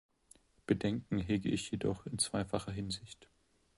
Bedenken hege ich jedoch in zweifacher Hinsicht.